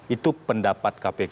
itu pendapat kpk